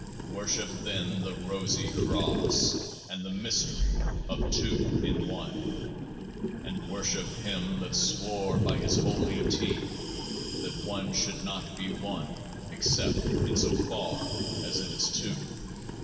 Worship then the Rosy Cross, and the Mystery of Two in One. And worship Him that swore by His holy T that One should not be One except in so far as it is Two.